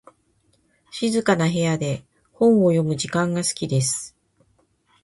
静かな部屋で本を読む時間が好きです。